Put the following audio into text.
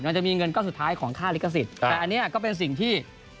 มันจะมีเงินก้อนสุดท้ายของค่าลิขสิทธิ์แต่อันนี้ก็เป็นสิ่งที่